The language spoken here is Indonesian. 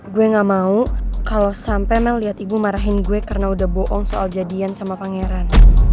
gue gak mau kalau sampai mel lihat ibu marahin gue karena udah bohong soal jadian sama pangeran